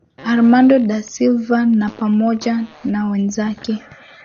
Armando da Silva na pamoja na wenzake